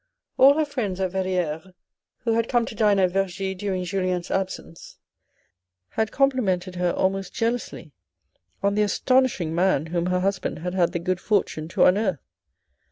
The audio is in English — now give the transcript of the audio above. All her friends at Verrieres who had come to dine at Vergy during Julien's absence had complimented her almost jealously on the astonishing man whom her husband had had the good fortune to unearth.